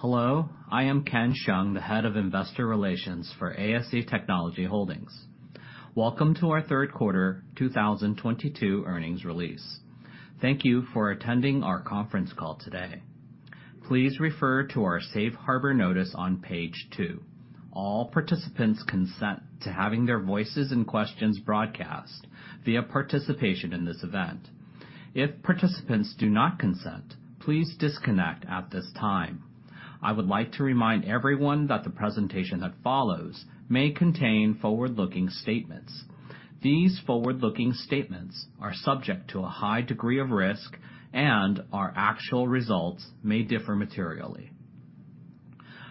Hello, I am Ken Hsiang, the Head of Investor Relations for ASE Technology Holding Co., Ltd. Welcome to our Q3 2022 earnings release. Thank you for attending our conference call today. Please refer to our safe harbor notice on page 2. All participants consent to having their voices and questions broadcast via participation in this event. If participants do not consent, please disconnect at this time. I would like to remind everyone that the presentation that follows may contain forward-looking statements. These forward-looking statements are subject to a high degree of risk, and our actual results may differ materially.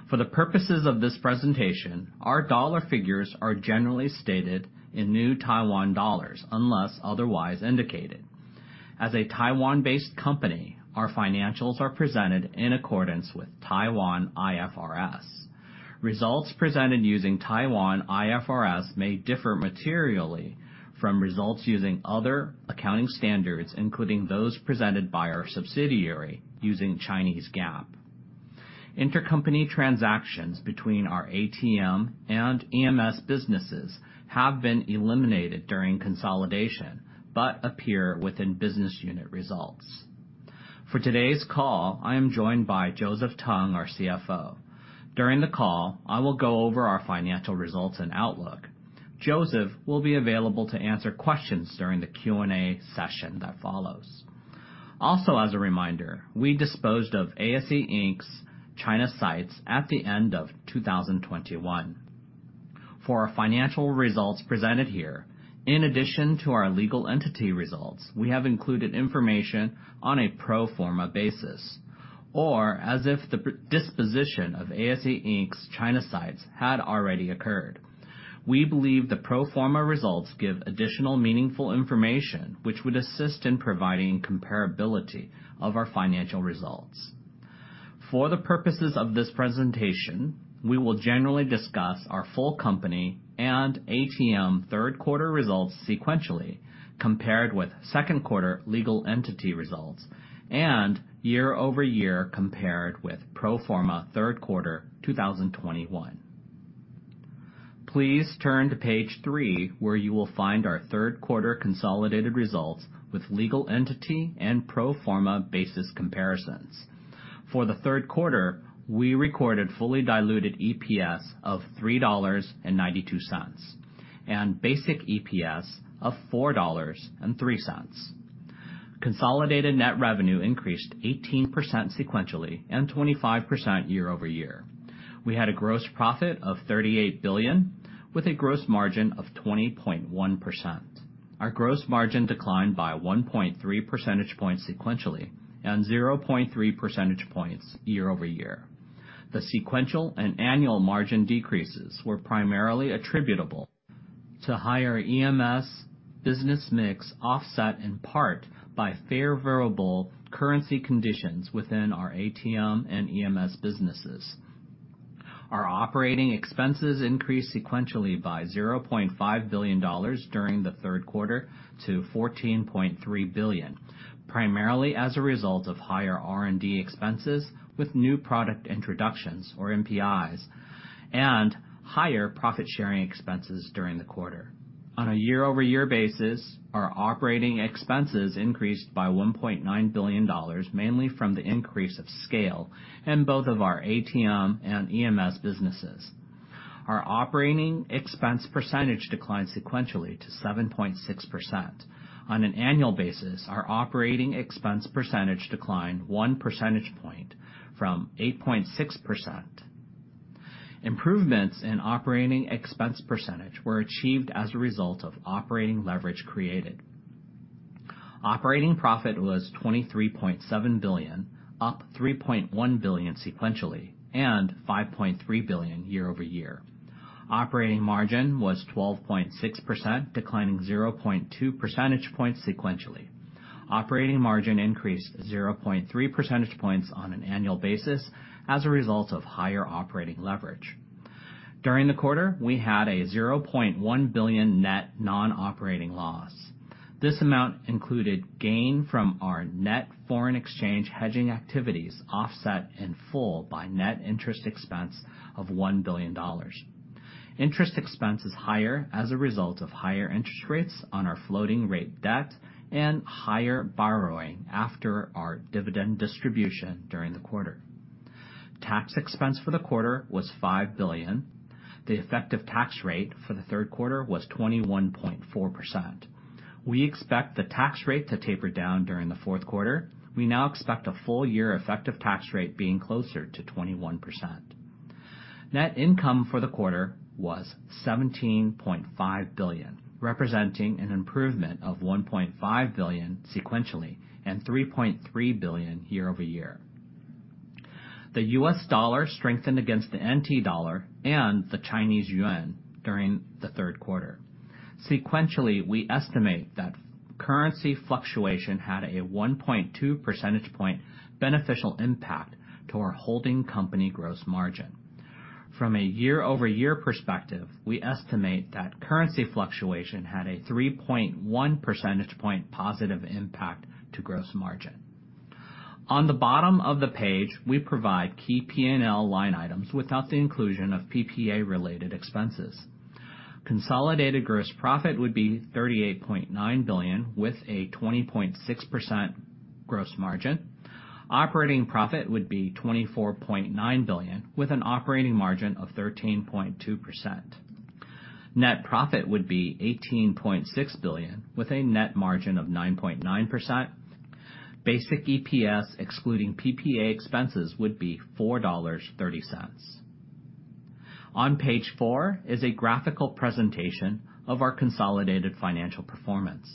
For the purposes of this presentation, our dollar figures are generally stated in New Taiwan dollars unless otherwise indicated. As a Taiwan-based company, our financials are presented in accordance with Taiwan IFRS. Results presented using Taiwan IFRS may differ materially from results using other accounting standards, including those presented by our subsidiary using Chinese GAAP. Intercompany transactions between our ATM and EMS businesses have been eliminated during consolidation but appear within business unit results. For today's call, I am joined by Joseph Tung, our CFO. During the call, I will go over our financial results and outlook. Joseph will be available to answer questions during the Q&A session that follows. Also, as a reminder, we disposed of ASE, Inc.'s China sites at the end of 2021. For our financial results presented here, in addition to our legal entity results, we have included information on a pro forma basis or as if the disposition of ASE, Inc.'s China sites had already occurred. We believe the pro forma results give additional meaningful information which would assist in providing comparability of our financial results. For the purposes of this presentation, we will generally discuss our full company and ATM Q3 results sequentially, compared with Q2 legal entity results and year-over-year compared with pro forma Q3 2021. Please turn to page 3, where you will find our Q3 consolidated results with legal entity and pro forma basis comparisons. For the Q3, we recorded fully diluted EPS of 3.92 dollars and basic EPS of 4.03 dollars. Consolidated net revenue increased 18% sequentially and 25% year-over-year. We had a gross profit of 38 billion, with a gross margin of 20.1%. Our gross margin declined by 1.3 percentage points sequentially and 0.3 percentage points year-over-year. The sequential and annual margin decreases were primarily attributable to higher EMS business mix, offset in part by favorable variable currency conditions within our ATM and EMS businesses. Our operating expenses increased sequentially by 0.5 billion dollars during the Q3 to 14.3 billion, primarily as a result of higher R&D expenses with new product introductions or NPIs and higher profit sharing expenses during the quarter. On a year-over-year basis, our operating expenses increased by $1.9 billion, mainly from the increase of scale in both of our ATM and EMS businesses. Our operating expense percentage declined sequentially to 7.6%. On an annual basis, our operating expense percentage declined one percentage point from 8.6%. Improvements in operating expense percentage were achieved as a result of operating leverage created. Operating profit was 23.7 billion, up 3.1 billion sequentially and 5.3 billion year-over-year. Operating margin was 12.6%, declining 0.2 percentage points sequentially. Operating margin increased 0.3 percentage points on an annual basis as a result of higher operating leverage. During the quarter, we had a 0.1 billion net non-operating loss. This amount included gain from our net foreign exchange hedging activities, offset in full by net interest expense of $1 billion. Interest expense is higher as a result of higher interest rates on our floating rate debt and higher borrowing after our dividend distribution during the quarter. Tax expense for the quarter was 5 billion. The effective tax rate for the Q3 was 21.4%. We expect the tax rate to taper down during the Q4. We now expect a full-year effective tax rate being closer to 21%. Net income for the quarter was 17.5 billion, representing an improvement of 1.5 billion sequentially and 3.3 billion year-over-year. The US dollar strengthened against the NT dollar and the Chinese yuan during the Q3. Sequentially, we estimate that currency fluctuation had a 1.2 percentage point beneficial impact to our holding company gross margin. From a year-over-year perspective, we estimate that currency fluctuation had a 3.1 percentage point positive impact to gross margin. On the bottom of the page, we provide key P&L line items without the inclusion of PPA related expenses. Consolidated gross profit would be 38.9 billion with a 20.6% gross margin. Operating profit would be 24.9 billion with an operating margin of 13.2%. Net profit would be 18.6 billion with a net margin of 9.9%. Basic EPS excluding PPA expenses would be $4.30. On page four is a graphical presentation of our consolidated financial performance.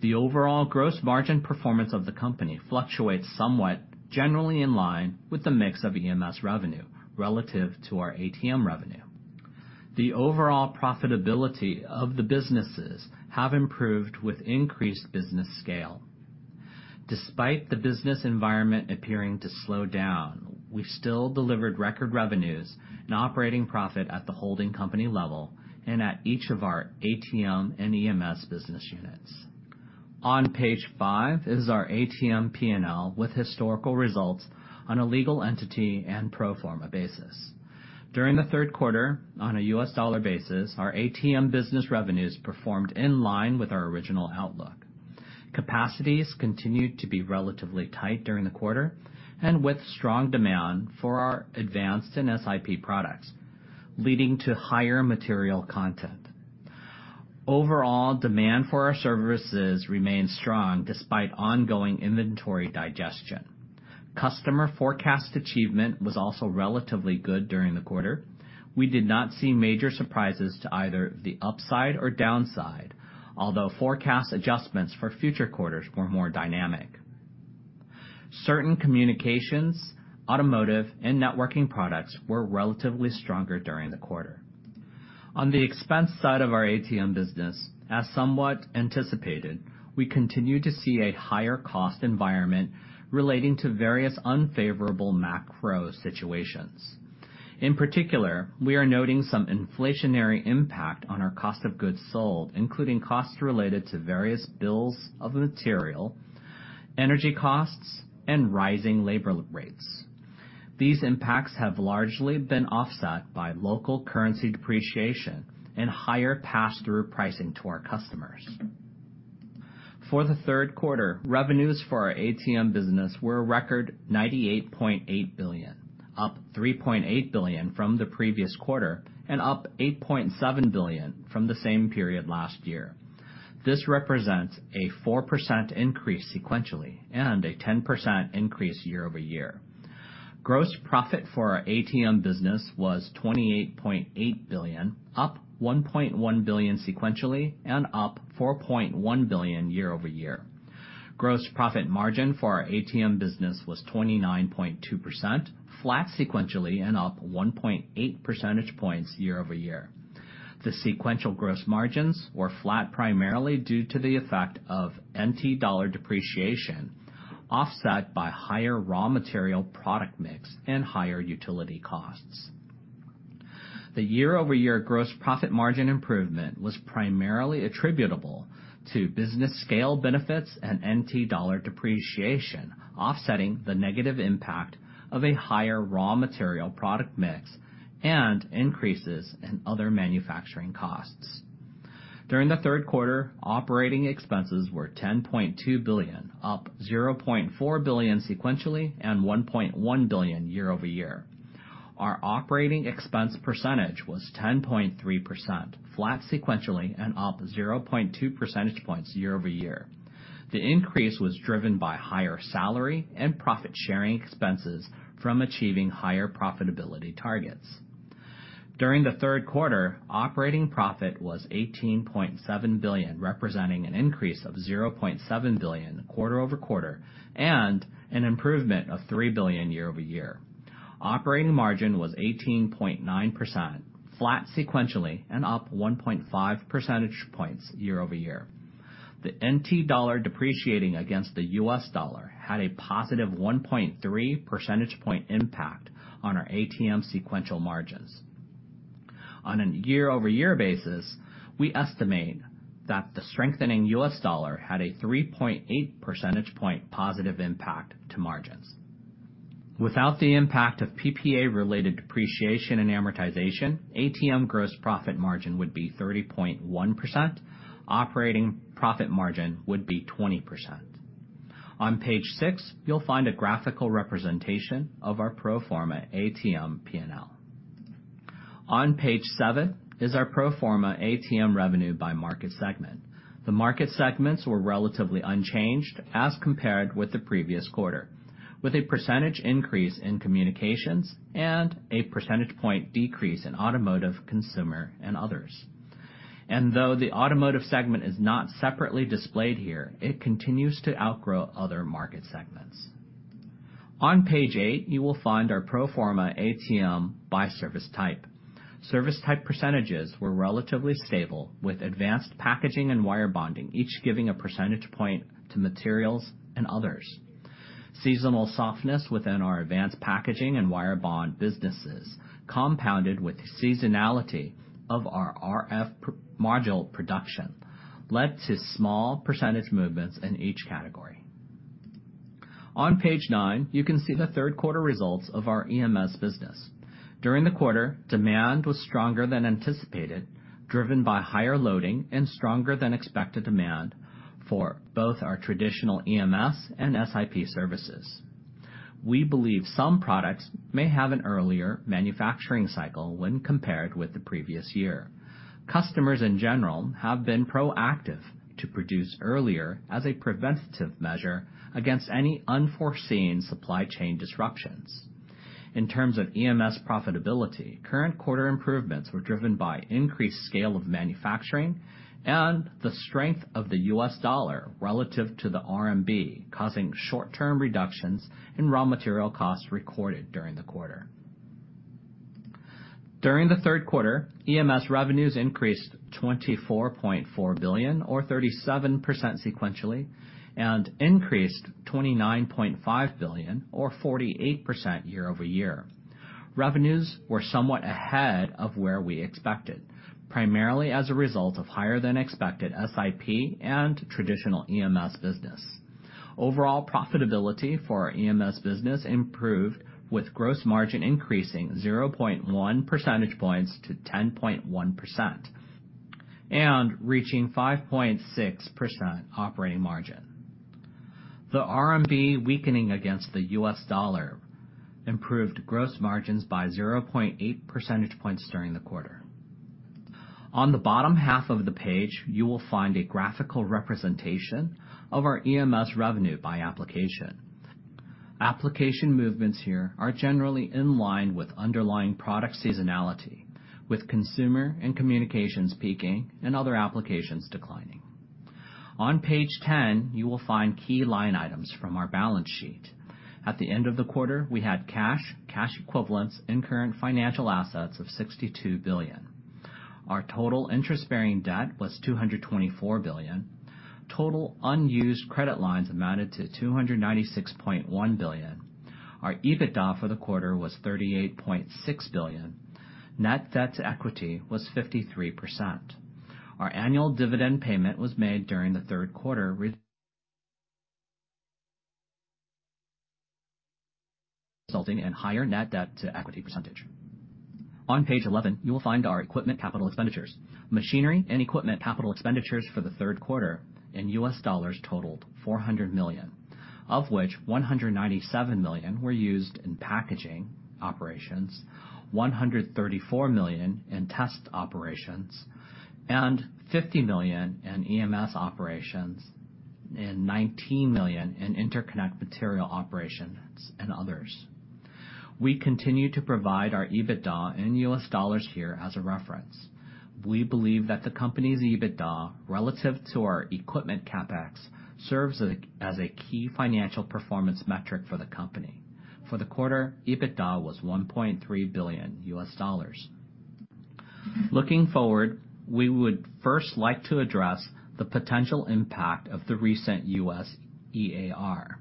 The overall gross margin performance of the company fluctuates somewhat generally in line with the mix of EMS revenue relative to our ATM revenue. The overall profitability of the businesses have improved with increased business scale. Despite the business environment appearing to slow down, we still delivered record revenues and operating profit at the holding company level and at each of our ATM and EMS business units. On page five is our ATM P&L with historical results on a legal entity and pro forma basis. During the Q3, on a US dollar basis, our ATM business revenues performed in line with our original outlook. Capacities continued to be relatively tight during the quarter and with strong demand for our advanced and SIP products, leading to higher material content. Overall demand for our services remained strong despite ongoing inventory digestion. Customer forecast achievement was also relatively good during the quarter. We did not see major surprises to either the upside or downside, although forecast adjustments for future quarters were more dynamic. Certain communications, automotive, and networking products were relatively stronger during the quarter. On the expense side of our ATM business, as somewhat anticipated, we continued to see a higher cost environment relating to various unfavorable macro situations. In particular, we are noting some inflationary impact on our cost of goods sold, including costs related to various bills of material, energy costs, and rising labor rates. These impacts have largely been offset by local currency depreciation and higher passthrough pricing to our customers. For the Q3, revenues for our ATM business were a record 98.8 billion, up 3.8 billion from the previous quarter and up 8.7 billion from the same period last year. This represents a 4% increase sequentially and a 10% increase year-over-year. Gross profit for our ATM business was 28.8 billion, up 1.1 billion sequentially and up 4.1 billion year-over-year. Gross profit margin for our ATM business was 29.2%, flat sequentially and up 1.8 percentage points year-over-year. The sequential gross margins were flat primarily due to the effect of NT dollar depreciation, offset by higher raw material product mix and higher utility costs. The year-over-year gross profit margin improvement was primarily attributable to business scale benefits and NT dollar depreciation, offsetting the negative impact of a higher raw material product mix and increases in other manufacturing costs. During the Q3, operating expenses were 10.2 billion, up 0.4 billion sequentially and 1.1 billion year-over-year. Our operating expense percentage was 10.3%, flat sequentially and up 0.2 percentage points year-over-year. The increase was driven by higher salary and profit sharing expenses from achieving higher profitability targets. During the Q3, operating profit was 18.7 billion, representing an increase of 0.7 billion quarter-over-quarter and an improvement of 3 billion year-over-year. Operating margin was 18.9%, flat sequentially and up 1.5 percentage points year-over-year. The NT dollar depreciating against the US dollar had a positive 1.3 percentage point impact on our ATM sequential margins. On a year-over-year basis, we estimate that the strengthening US dollar had a 3.8 percentage point positive impact to margins. Without the impact of PPA related depreciation and amortization, ATM gross profit margin would be 30.1%. Operating profit margin would be 20%. On page six, you'll find a graphical representation of our pro forma ATM P&L. On page seven is our pro forma ATM revenue by market segment. The market segments were relatively unchanged as compared with the previous quarter, with a percentage increase in communications and a percentage point decrease in automotive consumer, and others. Though the automotive segment is not separately displayed here, it continues to outgrow other market segments. On page eight, you will find our pro forma ATM by service type. Service type percentages were relatively stable, with advanced packaging and wire bonding, each giving a percentage point to materials and others. Seasonal softness within our advanced packaging and wire bonding businesses, compounded with seasonality of our RF module production, led to small percentage movements in each category. On page nine, you can see the Q3 results of our EMS business. During the quarter, demand was stronger than anticipated, driven by higher loading and stronger than expected demand for both our traditional EMS and SIP services. We believe some products may have an earlier manufacturing cycle when compared with the previous year. Customers in general have been proactive to produce earlier as a preventative measure against any unforeseen supply chain disruptions. In terms of EMS profitability, current quarter improvements were driven by increased scale of manufacturing and the strength of the US dollar relative to the RMB, causing short-term reductions in raw material costs recorded during the quarter. During the Q3, EMS revenues increased 24.4 billion or 37% sequentially, and increased 29.5 billion or 48% year-over-year. Revenues were somewhat ahead of where we expected, primarily as a result of higher than expected SIP and traditional EMS business. Overall profitability for our EMS business improved, with gross margin increasing 0.1 percentage points to 10.1% and reaching 5.6% operating margin. The RMB weakening against the US dollar improved gross margins by 0.8 percentage points during the quarter. On the bottom half of the page, you will find a graphical representation of our EMS revenue by application. Application movements here are generally in line with underlying product seasonality, with consumer and communications peaking and other applications declining. On page ten, you will find key line items from our balance sheet. At the end of the quarter, we had cash equivalents, and current financial assets of TWD 62 billion. Our total interest-bearing debt was TWD 224 billion. Total unused credit lines amounted to TWD 296.1 billion. Our EBITDA for the quarter was TWD 38.6 billion. Net debt to equity was 53%. Our annual dividend payment was made during the Q3, resulting in higher net debt to equity percentage. On page eleven, you will find our equipment capital expenditures. Machinery and equipment capital expenditures for the Q3 in US dollars totaled $400 million, of which $197 million were used in packaging operations, $134 million in test operations, and $50 million in EMS operations, and $19 million in interconnect material operations and others. We continue to provide our EBITDA in US dollars here as a reference. We believe that the company's EBITDA relative to our equipment CapEx serves as a key financial performance metric for the company. For the quarter, EBITDA was $1.3 billion. Looking forward, we would first like to address the potential impact of the recent US EAR.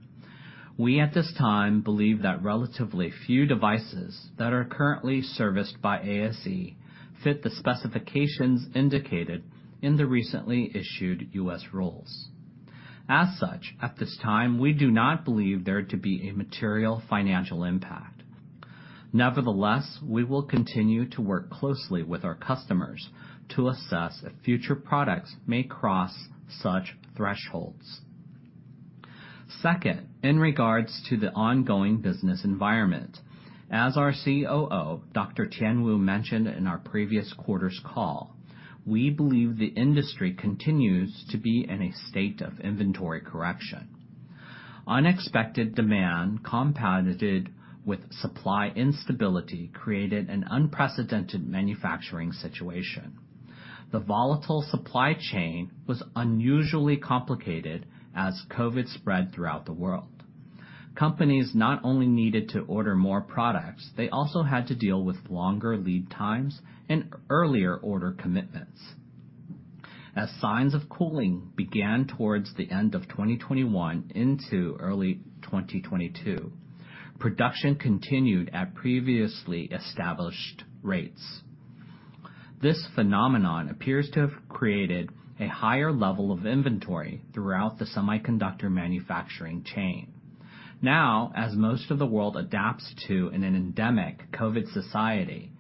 We at this time, believe that relatively few devices that are currently serviced by ASE fit the specifications indicated in the recently issued US rules. As such, at this time, we do not believe there to be a material financial impact. Nevertheless, we will continue to work closely with our customers to assess if future products may cross such thresholds. Second, in regards to the ongoing business environment, as our COO, Dr. Tien Wu, mentioned in our previous quarter's call, we believe the industry continues to be in a state of inventory correction. Unexpected demand, compounded with supply instability, created an unprecedented manufacturing situation. The volatile supply chain was unusually complicated as COVID spread throughout the world. Companies not only needed to order more products, they also had to deal with longer lead times and earlier order commitments. As signs of cooling began towards the end of 2021 into early 2022, production continued at previously established rates. This phenomenon appears to have created a higher level of inventory throughout the semiconductor manufacturing chain. Now, as most of the world adapts to in an endemic COVID society,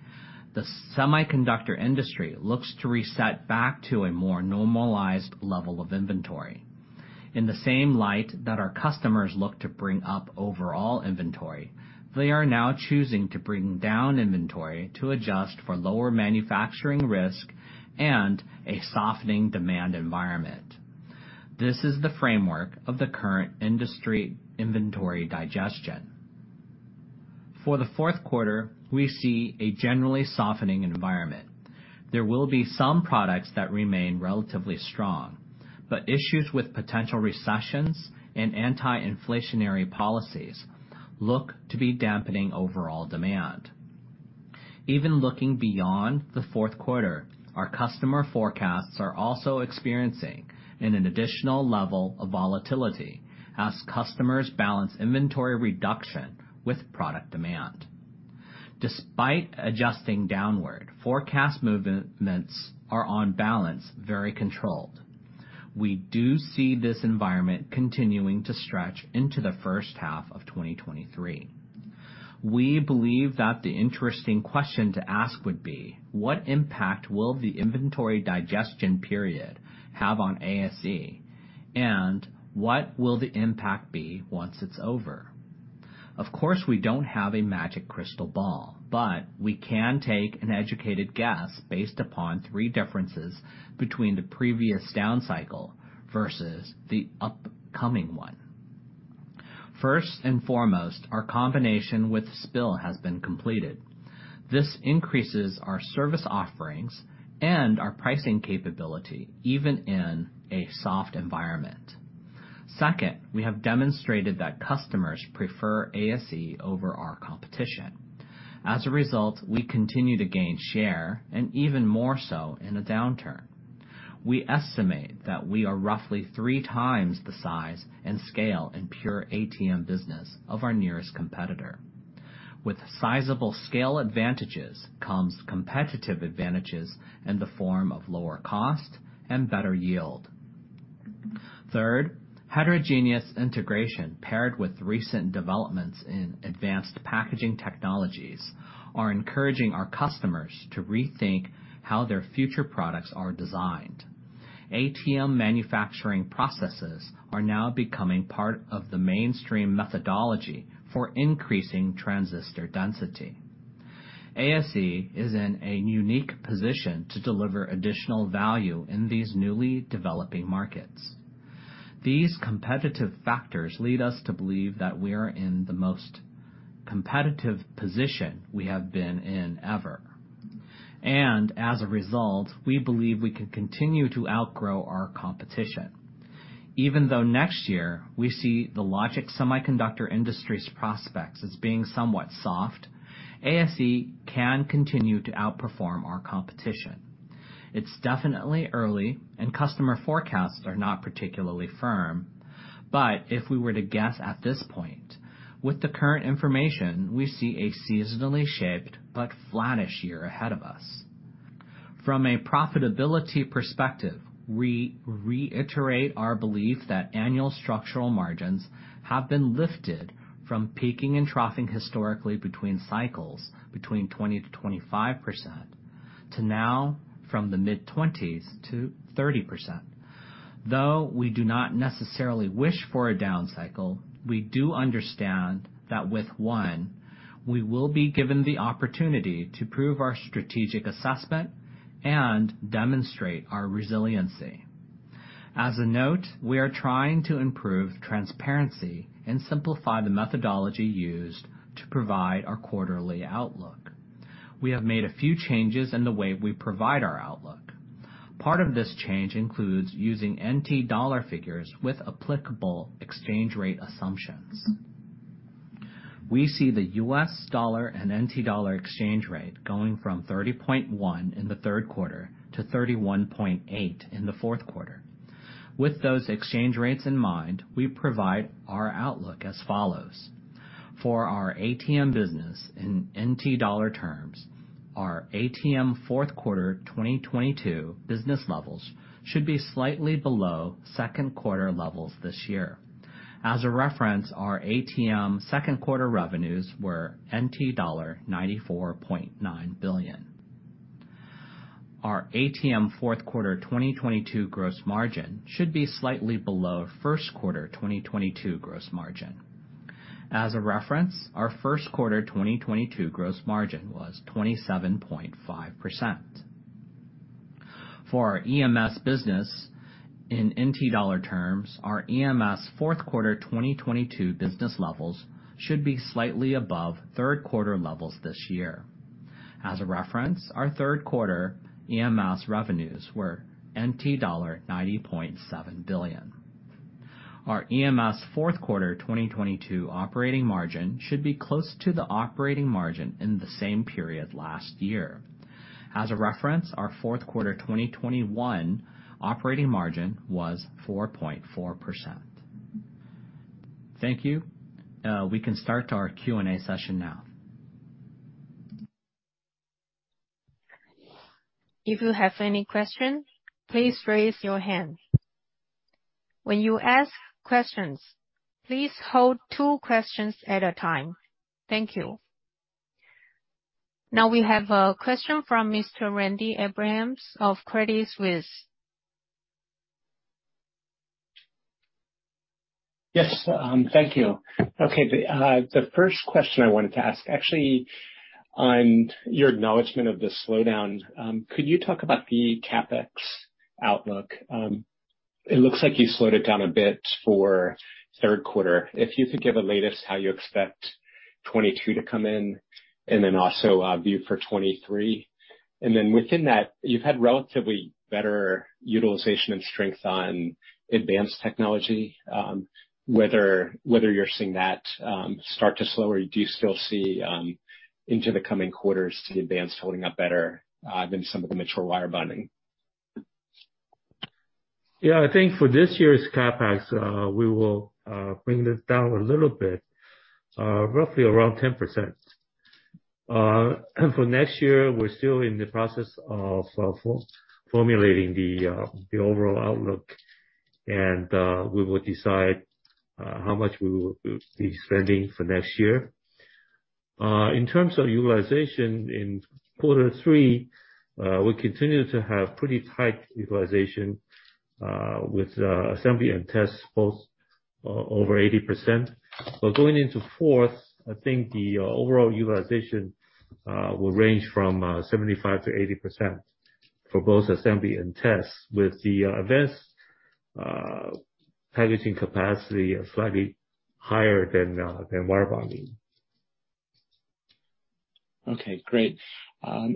the semiconductor industry looks to reset back to a more normalized level of inventory. In the same light that our customers look to bring up overall inventory, they are now choosing to bring down inventory to adjust for lower manufacturing risk and a softening demand environment. This is the framework of the current industry inventory digestion. For the Q4, we see a generally softening environment. There will be some products that remain relatively strong, but issues with potential recessions and anti-inflationary policies look to be dampening overall demand. Even looking beyond the Q4, our customer forecasts are also experiencing an additional level of volatility as customers balance inventory reduction with product demand. Despite adjusting downward, forecast movements are on balance very controlled. We do see this environment continuing to stretch into the first half of 2023. We believe that the interesting question to ask would be: What impact will the inventory digestion period have on ASE? And what will the impact be once it's over? Of course, we don't have a magic crystal ball, but we can take an educated guess based upon three differences between the previous down cycle versus the upcoming one. First and foremost, our combination with SPIL has been completed. This increases our service offerings and our pricing capability even in a soft environment. Second, we have demonstrated that customers prefer ASE over our competition. As a result, we continue to gain share, and even more so in a downturn. We estimate that we are roughly three times the size and scale in pure ATM business of our nearest competitor. With sizable scale advantages comes competitive advantages in the form of lower cost and better yield. Third, heterogeneous integration paired with recent developments in advanced packaging technologies are encouraging our customers to rethink how their future products are designed. ATM manufacturing processes are now becoming part of the mainstream methodology for increasing transistor density. ASE is in a unique position to deliver additional value in these newly developing markets. These competitive factors lead us to believe that we are in the most competitive position we have been in ever, and as a result, we believe we can continue to outgrow our competition. Even though next year we see the logic semiconductor industry's prospects as being somewhat soft, ASE can continue to outperform our competition. It's definitely early, and customer forecasts are not particularly firm. If we were to guess at this point, with the current information, we see a seasonally shaped but flattish year ahead of us. From a profitability perspective, we reiterate our belief that annual structural margins have been lifted from peaking and troughing historically between cycles between 20%-25%, to now from the mid-20s to 30%. Though we do not necessarily wish for a down cycle, we do understand that with one, we will be given the opportunity to prove our strategic assessment and demonstrate our resiliency. As a note, we are trying to improve transparency and simplify the methodology used to provide our quarterly outlook. We have made a few changes in the way we provide our outlook. Part of this change includes using NT dollar figures with applicable exchange rate assumptions. We see the US dollar and NT dollar exchange rate going from 30.1 in the Q3 to 31.8 in the Q4. With those exchange rates in mind, we provide our outlook as follows. For our ATM business in NT dollar terms, our ATM Q4 2022 business levels should be slightly below Q2 levels this year. As a reference, our ATM Q2 revenues were TWD 94.9 billion. Our ATM Q4 2022 gross margin should be slightly below first quarter 2022 gross margin. As a reference, our first quarter 2022 gross margin was 27.5%. For our EMS business in NT dollar terms, our EMS Q4 2022 business levels should be slightly above Q3 levels this year. As a reference, our Q3 EMS revenues were NT dollar 90.7 billion. Our EMS Q4 2022 operating margin should be close to the operating margin in the same period last year. As a reference, our Q4 2021 operating margin was 4.4%. Thank you. We can start our Q&A session now. If you have any question, please raise your hand. When you ask questions, please hold two questions at a time. Thank you. Now we have a question from Mr. Randy Abrams of Credit Suisse. Yes, thank you. Okay. The first question I wanted to ask actually on your acknowledgment of the slowdown, could you talk about the CapEx outlook? It looks like you slowed it down a bit for Q3. If you could give a latest how you expect 2022 to come in and then also a view for 2023. Then within that, you've had relatively better utilization and strength on advanced technology, whether you're seeing that start to slow or do you still see into the coming quarters, the advanced holding up better than some of the mature wire bonding? Yeah. I think for this year's CapEx, we will bring this down a little bit, roughly around 10%. For next year, we're still in the process of formulating the overall outlook. We will decide how much we will be spending for next year. In terms of utilization in Q3, we continue to have pretty tight utilization, with assembly and test both over 80%. Going into fourth, I think the overall utilization will range from 75%-80% for both assembly and tests, with the advanced packaging capacity slightly higher than wire bonding. Okay, great. I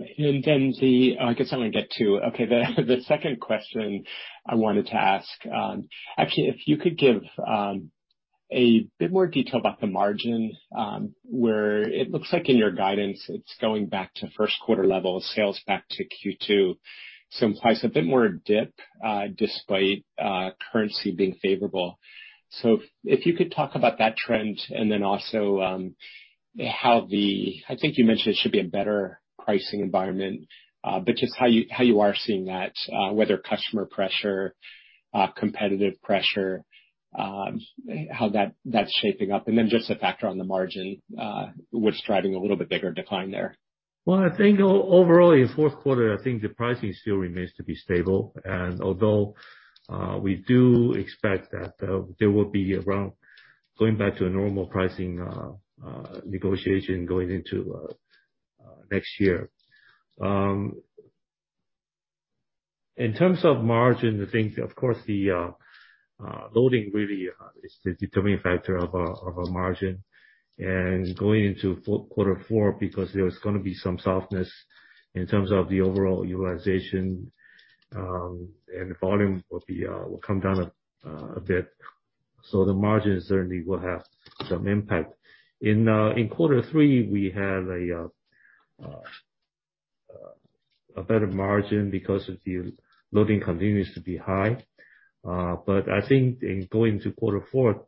guess I'm gonna get two. Okay. The second question I wanted to ask, actually, if you could give a bit more detail about the margin, where it looks like in your guidance, it's going back to first quarter levels, sales back to Q2, so implies a bit more dip, despite currency being favorable. If you could talk about that trend and then also, I think you mentioned it should be a better pricing environment, but just how you are seeing that, whether customer pressure, competitive pressure, how that's shaping up. Then just a factor on the margin, what's driving a little bit bigger decline there. Well, I think overall in Q4, I think the pricing still remains to be stable. Although we do expect that there will be a round of going back to a normal pricing negotiation going into next year. In terms of margin, I think of course the loading really is the determining factor of a margin. Going into Q4, because there's gonna be some softness in terms of the overall utilization, and volume will come down a bit. The margin certainly will have some impact. In Q3, we have a better margin because the loading continues to be high. I think in going to Q4,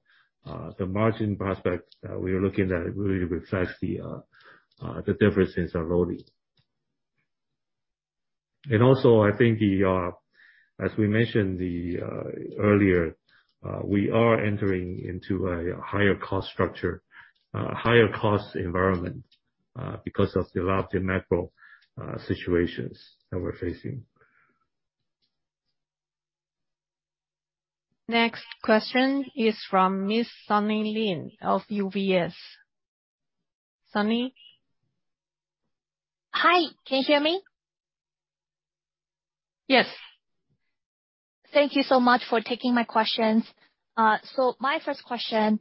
the margin prospects that we are looking at, it really reflects the differences in loading. Also, I think, as we mentioned earlier, we are entering into a higher cost structure, higher cost environment, because of the larger macro situations that we're facing. Next question is from Miss Sunny Lin of UBS. Sunny? Hi. Can you hear me? Yes. Thank you so much for taking my questions. My first question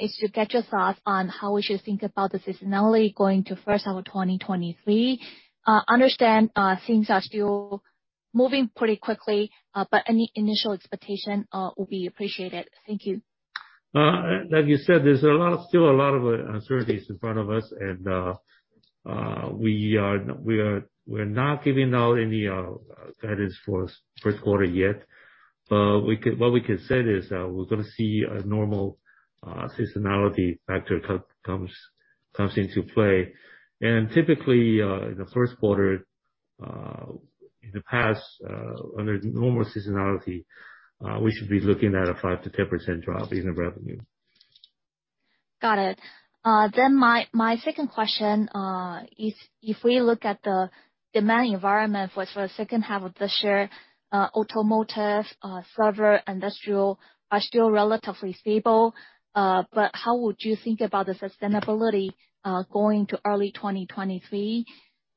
is to get your thoughts on how we should think about the seasonality going to first half of 2023. Understand things are still moving pretty quickly, but any initial expectation will be appreciated. Thank you. Like you said, there is a lot of uncertainties in front of us. We are not giving out any guidance for first quarter yet. What we could say is, we're gonna see a normal seasonality factor comes into play. Typically, in the first quarter, in the past, under normal seasonality, we should be looking at a 5%-10% drop in the revenue. Got it. My second question, if we look at the demand environment for the second half of this year, automotive, server, industrial are still relatively stable. How would you think about the sustainability going to early 2023?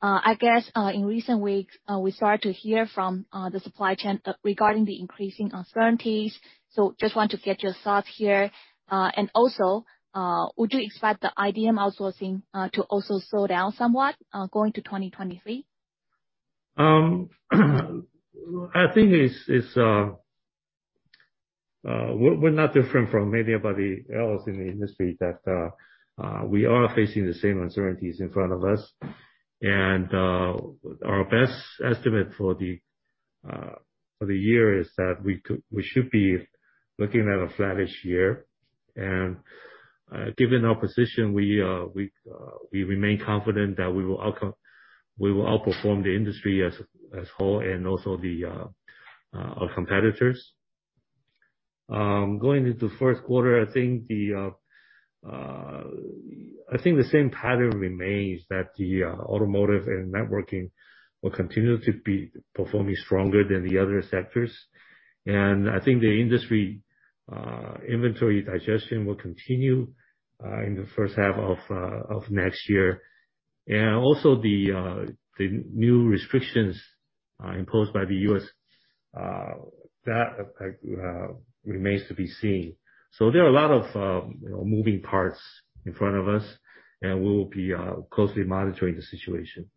I guess, in recent weeks, we start to hear from the supply chain regarding the increasing uncertainties. Just want to get your thoughts here. Also, would you expect the IDM outsourcing to also slow down somewhat going to 2023? I think we are not different from anybody else in the industry that we are facing the same uncertainties in front of us. Our best estimate for the year is that we should be looking at a flattish year. Given our position, we remain confident that we will outperform the industry as whole and also our competitors. Going into the first quarter, I think the same pattern remains that the automotive and networking will continue to be performing stronger than the other sectors. I think the industry inventory digestion will continue in the first half of next year. And also the new restrictions imposed by the US that remains to be seen. There are a lot of moving parts in front of us, and we will be closely monitoring the situation.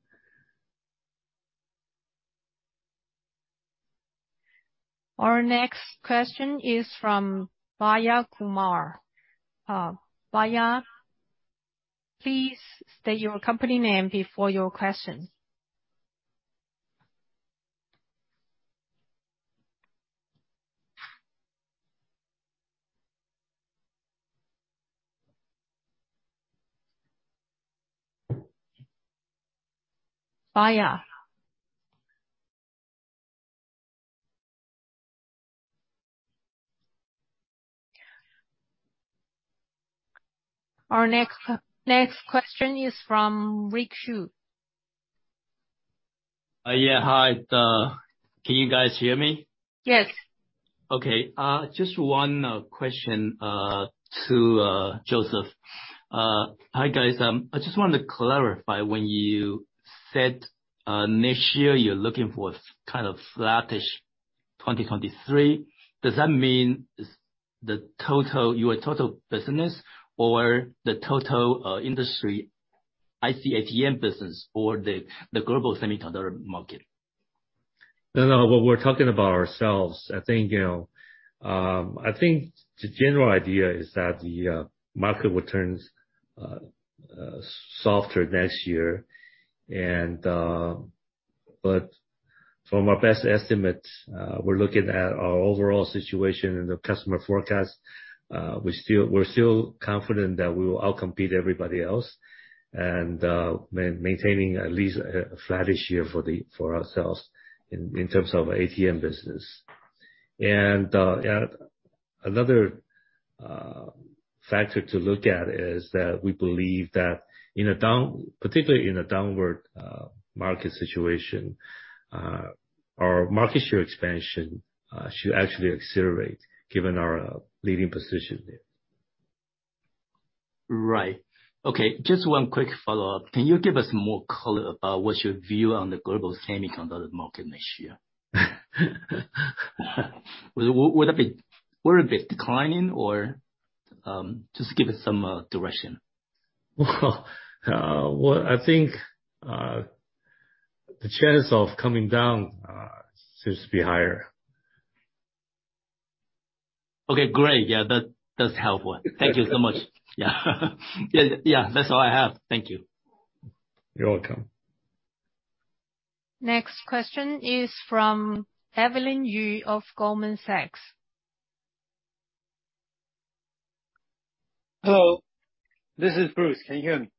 Our next question is from Bhavya Kumar. Bhavya, please state your company name before your question. Bhavya? Our next question is from Rick Hsu. Yeah, hi. Can you guys hear me? Yes. Okay. Just one question to Joseph. Hi, guys. I just wanted to clarify, when you said next year you are looking for kind of flattish 2023, does that mean the total your total business or the total industry IC ATM business or the global semiconductor market? No, no. What we are talking about our sales, I think, you know, I think the general idea is that the market returns softer next year. From our best estimates, we're looking at our overall situation and the customer forecast. We are still confident that we will outcompete everybody else and maintaining at least a flattish year for ourselves in terms of ATM business. Another factor to look at is that we believe that particularly in a downward market situation, our market share expansion should actually accelerate given our leading position there. Right. Okay, just one quick follow-up. Can you give us more color about what's your view on the global semiconductor market next year? Would that be declining or just give us some direction? Well, I think the chance of coming down seems to be higher. Okay, great. Yeah. That, that's helpful. Thank you so much. Yeah. Yeah. Yeah. That's all I have. Thank you. You're welcome. Next question is from Evelyn Yu of Goldman Sachs. Hello, this is Bruce. Can you hear me?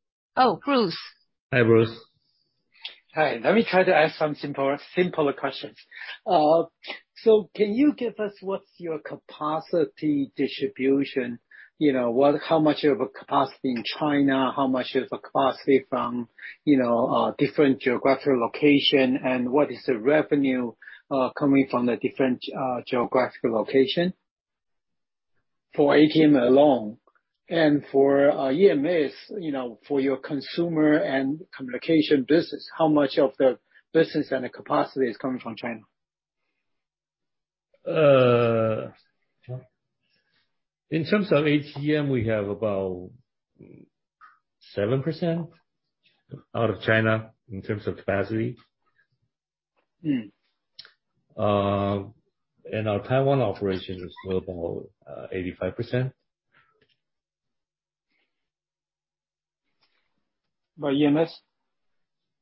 Oh, Bruce. Hi, Bruce. Hi. Let me try to ask some simpler questions. So can you give us what's your capacity distribution? You know, how much of a capacity in China, how much of a capacity from, you know, different geographical location and what is the revenue coming from the different geographical location for ATM alone? For EMS, you know, for your consumer and communication business, how much of the business and the capacity is coming from China? In terms of ATM, we have about 7% out of China in terms of capacity. Mm. Our Taiwan operation is about 85%. By EMS?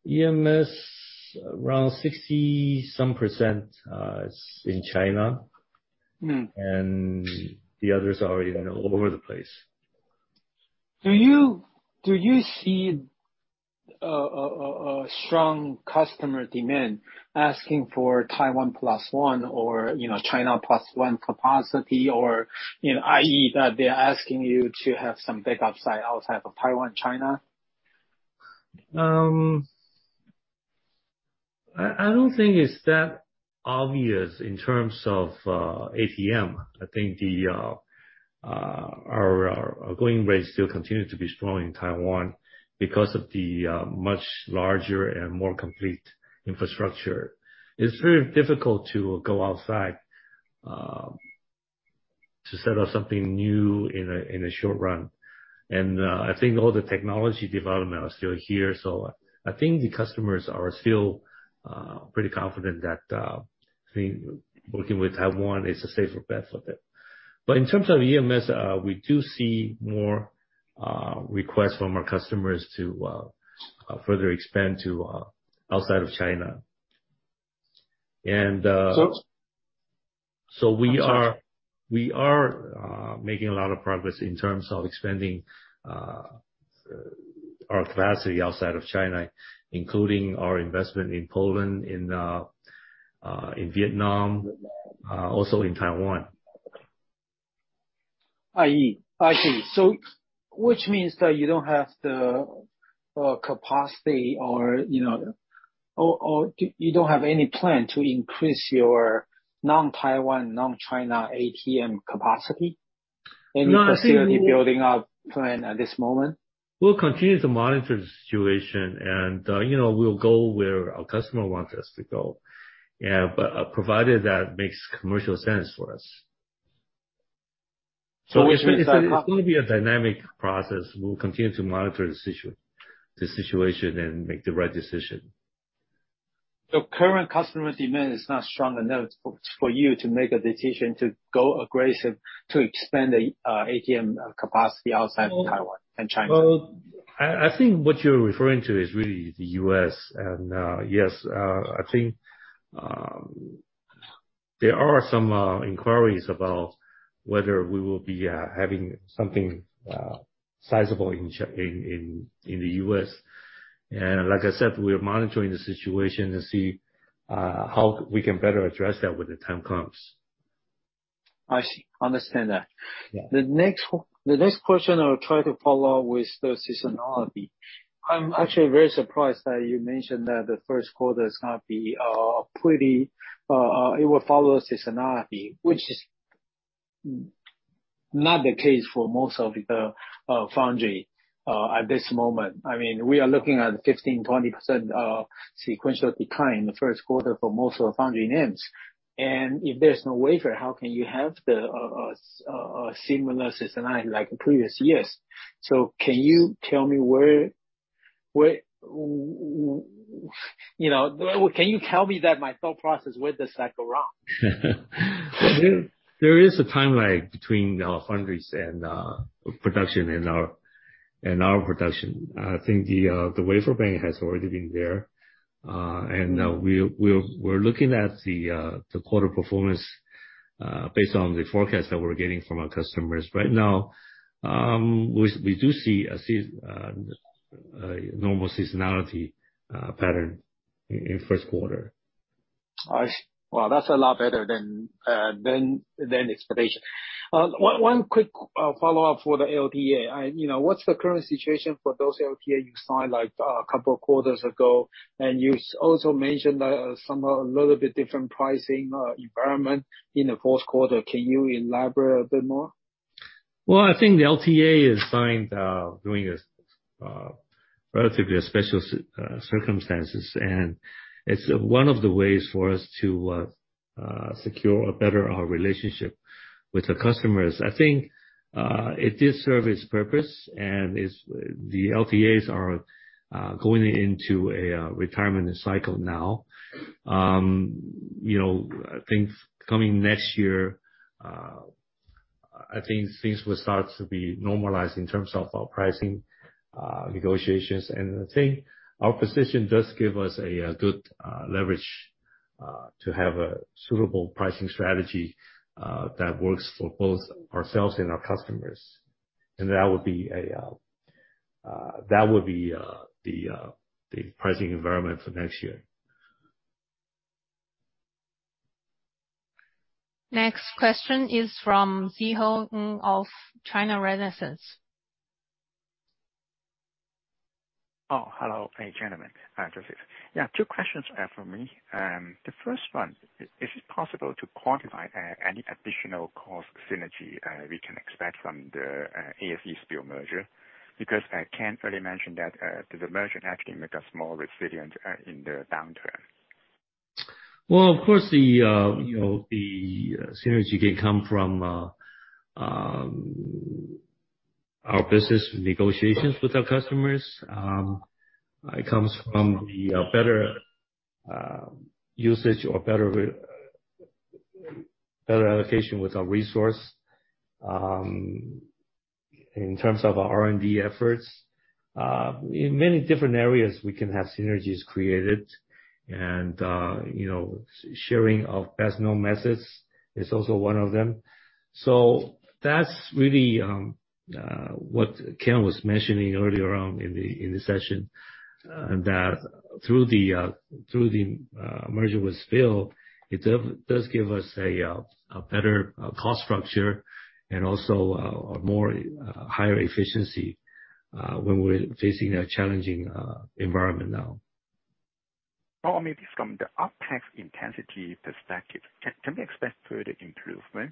EMS, around 60-some %, is in China. Mm. The others are, you know, all over the place. Do you see a strong customer demand asking for Taiwan plus one or, you know, China plus one capacity or, you know, i.e., that they're asking you to have some backup site outside of Taiwan, China? I don't think it's that obvious in terms of ATM. I think our going rate still continues to be strong in Taiwan because of the much larger and more complete infrastructure. It's very difficult to go outside to set up something new in a short run. I think all the technology development are still here. I think the customers are still pretty confident that working with Taiwan is a safer bet for them. In terms of EMS, we do see more requests from our customers to further expand to outside of China. So- We are making a lot of progress in terms of expanding our capacity outside of China, including our investment in Poland, in Vietnam, also in Taiwan. I see. So which means that you don't have the capacity or, you know, or do you don't have any plan to increase your non-Taiwan, non-China ATM capacity? No, I think we. Any facility building up plan at this moment? We'll continue to monitor the situation and, you know, we'll go where our customer wants us to go. Yeah, but, provided that makes commercial sense for us. So it's- It's gonna be a dynamic process. We'll continue to monitor the situation and make the right decision. The current customer demand is not strong enough for you to make a decision to go aggressive to expand the ATM capacity outside Taiwan and China. Well, I think what you are referring to is really the US and, yes, I think, there are some inquiries about whether we will be having something sizable in the US. Like I said, we are monitoring the situation to see how we can better address that when the time comes. I see. Understand that. Yeah. The next question I'll try to follow with the seasonality. I'm actually very surprised that you mentioned that the first quarter is gonna be pretty. It will follow a seasonality, which is not the case for most of the foundry at this moment. I mean, we are looking at 15%-20% sequential decline in the first quarter for most of the foundry names. If there is no wafer, how can you have a similar seasonality like in previous years? Can you tell me where, you know, my thought process goes wrong? There is a time lag between the foundries and production and our production. I think the wafer bank has already been there. We are looking at the quarter performance based on the forecast that we're getting from our customers. Right now, we do see a normal seasonality pattern in first quarter. I see. Well, that's a lot better than expectation. One quick follow-up for the LTA. You know, what's the current situation for those LTA you signed like a couple of quarters ago? You also mentioned that some a little bit different pricing environment in the Q4. Can you elaborate a bit more? Well, I think the LTA is signed during this relatively special circumstances, and it's one of the ways for us to secure or better our relationship with the customers. I think it did serve its purpose and is. The LTAs are going into a retirement cycle now. You know, I think coming next year, I think things will start to be normalized in terms of our pricing negotiations. I think our position does give us a good leverage to have a suitable pricing strategy that works for both ourselves and our customers. That would be the pricing environment for next year. Next question is from Szeho Ng of China Renaissance. Oh, hello. Hey, gentlemen. Hi, Joseph. Yeah, two questions from me. The first one, is it possible to quantify any additional cost synergy we can expect from the ASE-SPIL merger? Because Ken earlier mentioned that the merger actually make us more resilient in the downturn. Well, of course, you know, the synergy can come from our business negotiations with our customers. It comes from the better usage or better allocation with our resource. In terms of our R&D efforts. In many different areas, we can have synergies created and, you know, sharing of best-known methods is also one of them. That's really what Ken was mentioning earlier on in the session. That through the merger with Spil, it does give us a better cost structure and also a higher efficiency when we are facing a challenging environment now. Maybe from the OPEX intensity perspective, can we expect further improvement?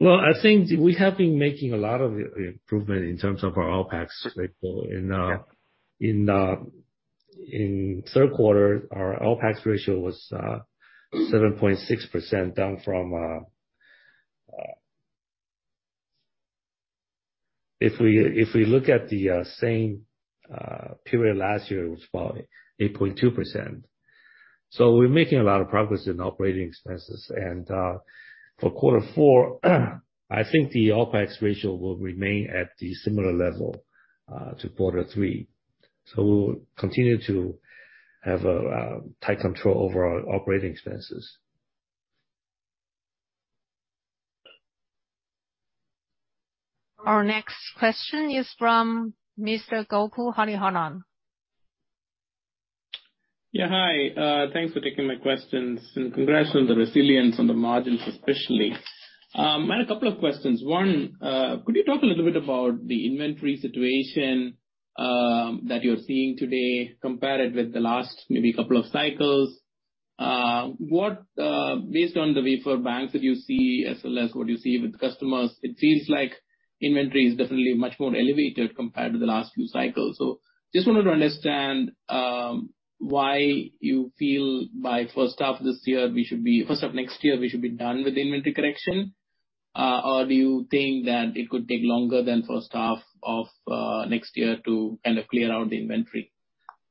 Well, I think we have been making a lot of improvement in terms of our OPEX ratio. In Q3, our OPEX ratio was 7.6%, down from. If we look at the same period last year, it was about 8.2%. We are making a lot of progress in operating expenses. For Q4, I think the OPEX ratio will remain at the similar level to Q3. We'll continue to have a tight control over our operating expenses. Our next question is from Mr. Gokul Hariharan. Hi. Thanks for taking my questions, and congrats on the resilience on the margins especially. I had a couple of questions. One, could you talk a little bit about the inventory situation that you're seeing today, compare it with the last maybe couple of cycles. Based on the wafer banks that you see, SLA, what you see with customers, it seems like inventory is definitely much more elevated compared to the last few cycles. Just wanted to understand why you feel by first half next year we should be done with the inventory correction. Or do you think that it could take longer than first half of next year to kind of clear out the inventory?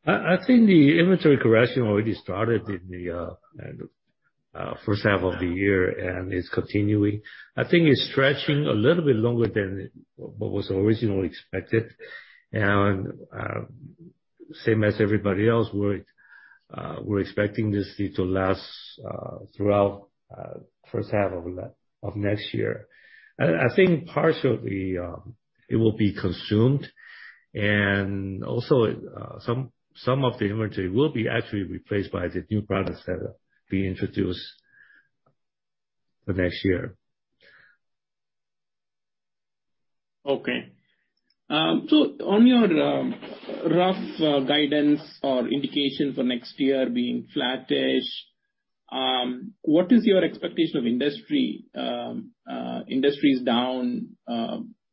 I think the inventory correction already started in the first half of the year, and it's continuing. I think it's stretching a little bit longer than what was originally expected. Same as everybody else, we're expecting this to last throughout first half of next year. I think partially it will be consumed. Also, some of the inventory will actually be replaced by the new products that we introduce for next year. Okay. On your rough guidance or indication for next year being flattish, what is your expectation of industry down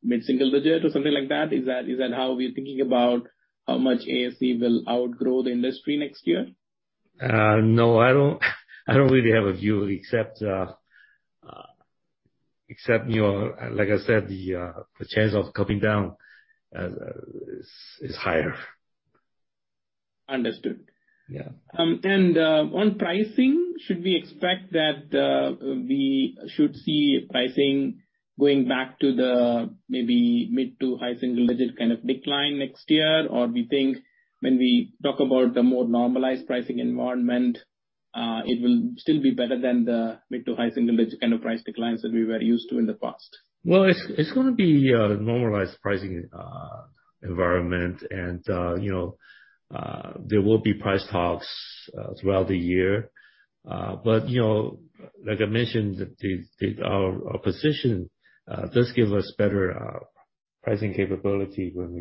mid-single digit or something like that? Is that how we're thinking about how much ASE will outgrow the industry next year? No, I don't really have a view except, you know, like I said, the chance of coming down is higher. Understood. Yeah. On pricing, should we expect that we should see pricing going back to the maybe mid to high single digit kind of decline next year? Or we think when we talk about the more normalized pricing environment, it will still be better than the mid to high single digit kind of price declines that we were used to in the past. Well, it's gonna be a normalized pricing environment and, you know, there will be price talks throughout the year. You know, like I mentioned, our position does give us better pricing capability when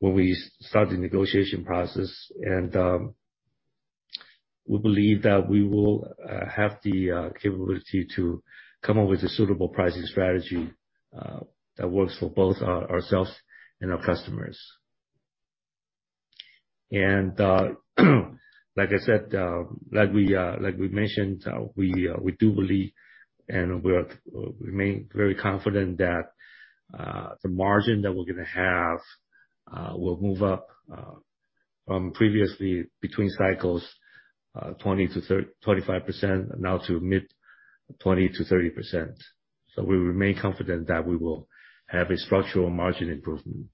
we start the negotiation process. We believe that we will have the capability to come up with a suitable pricing strategy that works for both ourselves and our customers. And like I said, like we mentioned, we do believe and we are very confident that the margin we gonna have will move up from previously between cycles 20%-25% now to mid-20% to 30%. We remain confident that we will have a structural margin improvement.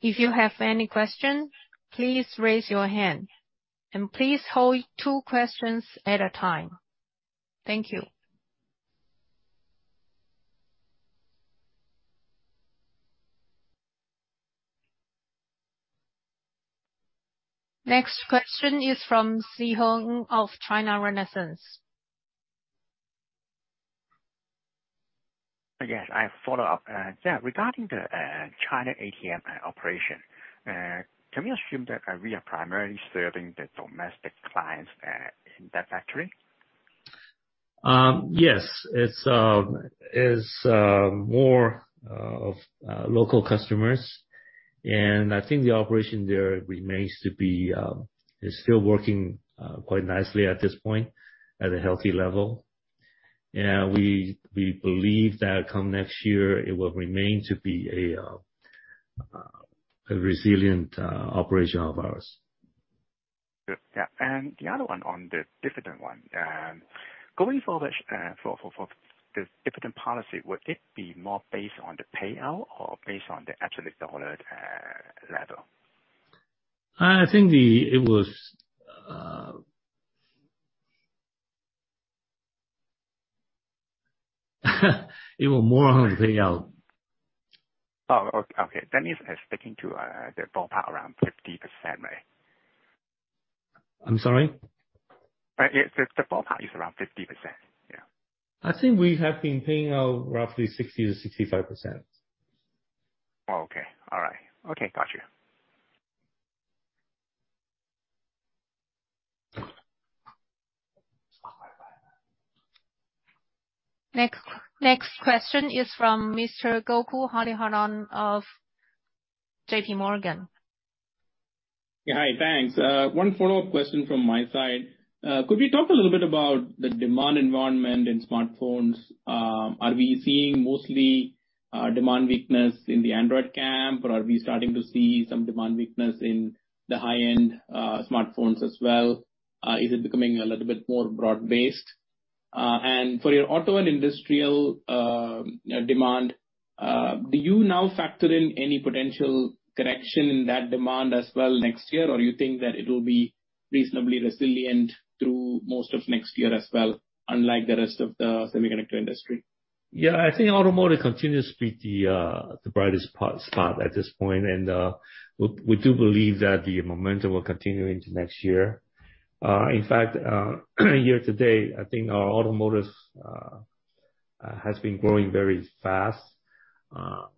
If you have any questions, please raise your hand. Please hold two questions at a time. Thank you. Next question is from Szeho Ng of China Renaissance. Yes, I have follow-up. Yeah, regarding the China ATM operation, can we assume that we are primarily serving the domestic clients in that factory? Yes. It's more of local customers. I think the operation there is still working quite nicely at this point, at a healthy level. We believe that come next year it will remain a resilient operation of ours. Good. Yeah. The other one on the dividend one. Going forward, for the dividend policy, would it be more based on the payout or based on the absolute dollar level? I think it was more on the payout. Oh, okay. That means it's sticking to the ballpark around 50%, right? I'm sorry? The ballpark is around 50%. Yeah. I think we have been paying out roughly 60%-65%. Oh, okay. All right. Okay. Got you. Next question is from Mr. Gokul Hariharan of J.P. Morgan. Yeah. Hi. Thanks. One follow-up question from my side. Could we talk a little bit about the demand environment in smartphones? Are we seeing mostly demand weakness in the Android camp, or are we starting to see some demand weakness in the high-end smartphones as well? Is it becoming a little bit more broad-based? And for your auto and industrial demand, do you now factor in any potential correction in that demand as well next year? Or you think that it'll be reasonably resilient through most of next year as well, unlike the rest of the semiconductor industry? Yeah, I think automotive continues to be the brightest spot at this point. We do believe that the momentum will continue into next year. In fact, year to date, I think our automotive has been growing very fast.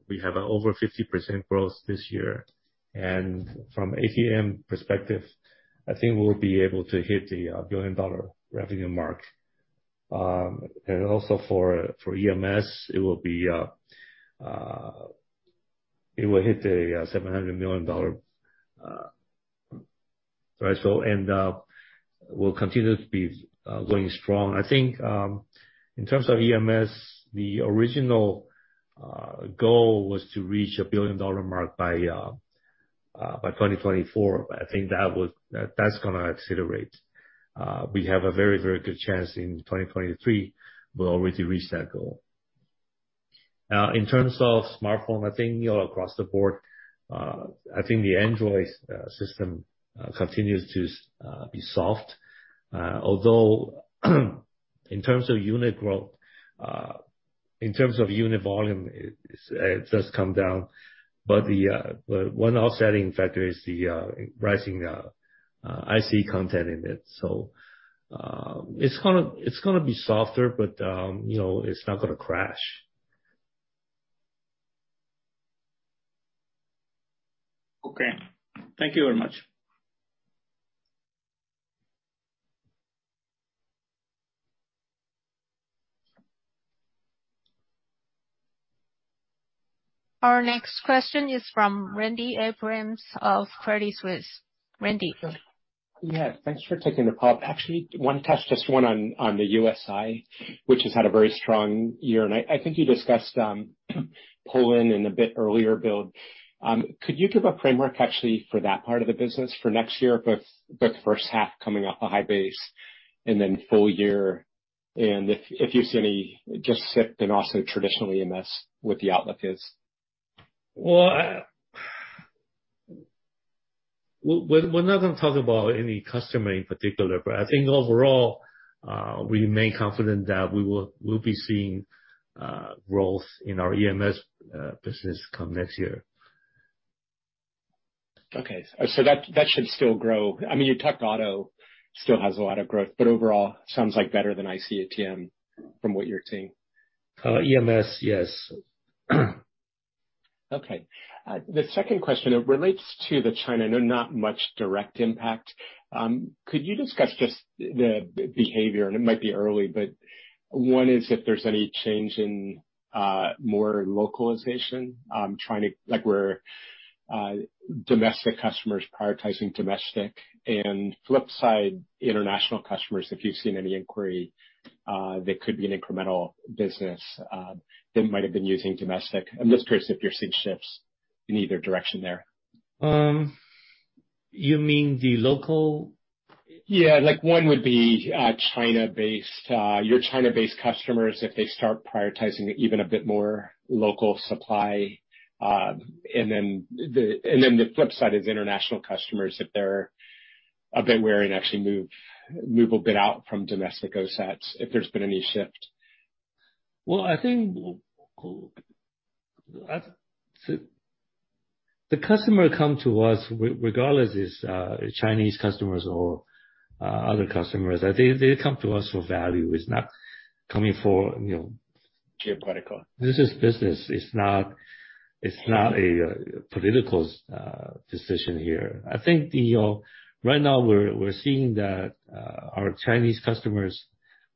We have over 50% growth this year. From ATM perspective, I think we'll be able to hit the $1 billion revenue mark. And also for EMS, it will hit a $700 million threshold, and we'll continue to be going strong. I think in terms of EMS, the original goal was to reach a $1 billion mark by 2024, but that's gonna accelerate. We have a very good chance in 2023, we'll already reach that goal. In terms of smartphone, I think, you know, across the board, I think the Android system continues to be soft. Although in terms of unit growth, in terms of unit volume, it does come down. One offsetting factor is the rising IC content in it. It's gonna be softer, but you know, it's not gonna crash. Okay. Thank you very much. Our next question is from Randy Abrams of Credit Suisse. Randy. Yeah, thanks for taking the call. Actually, one too, just one on the U.S. side, which has had a very strong year. I think you discussed pull-in a bit earlier, Bill. Could you give a framework actually for that part of the business for next year, both the first half coming off a high base and then full year? If you see any shift and also traditionally in this, what the outlook is? Well, we're not gonna talk about any customer in particular, but I think overall, we remain confident that we'll be seeing growth in our EMS business come next year. Okay. That should still grow. I mean, you talked auto still has a lot of growth, but overall, sounds like better than IC ATM from what you're seeing. EMS, yes. Okay. The second question, it relates to China. I know not much direct impact. Could you discuss just the behavior? It might be early, but one is if there's any change in more localization. Like, where domestic customers prioritizing domestic. Flip side, international customers, if you've seen any inquiry that could be an incremental business that might have been using domestic. I'm just curious if you're seeing shifts in either direction there. You mean the local- Yeah. Like, one would be China-based. Your China-based customers, if they start prioritizing even a bit more local supply. Then the flip side is international customers, if they're a bit wary and actually move a bit out from domestic OSATs, if there's been any shift. Well, I think the customer come to us regardless it's Chinese customers or other customers. They come to us for value. It's not coming for, you know- Geopolitical. This is business. It's not a political decision here. I think right now we are seeing that our Chinese customers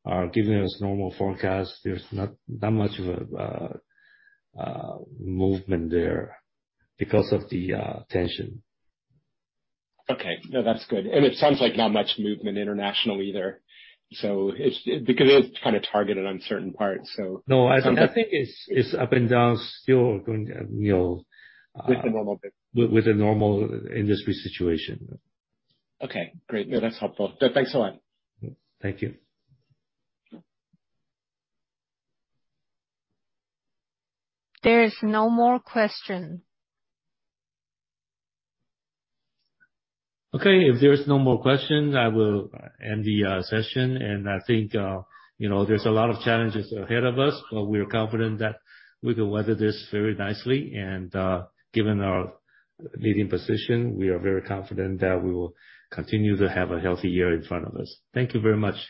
are giving us normal forecast. There's not that much of a movement there because of the tension. Okay. No, that's good. It sounds like not much movement internationally either. It's because it is kinda targeted on certain parts, so. No. I think it's up and down, still going, you know. With the normal business. With the normal industry situation. Okay, great. No, that's helpful. No, thanks a lot. Thank you. There is no more question. Okay. If there is no more questions, I will end the session. I think, you know, there's a lot of challenges ahead of us, but we are confident that we can weather this very nicely. Given our leading position, we are very confident that we will continue to have a healthy year in front of us. Thank you very much.